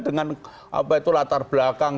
dengan apa itu latar belakang